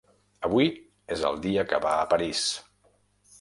Avui és el dia que va a París.